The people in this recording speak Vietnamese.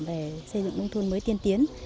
về xây dựng nông thôn mới tiên tiến